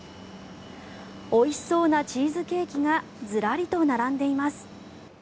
おいしそうなチーズケーキがずらりと並んでいます。